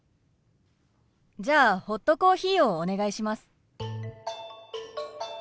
じゃあホットコーヒーをお願いします。